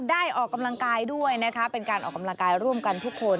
ออกกำลังกายด้วยนะคะเป็นการออกกำลังกายร่วมกันทุกคน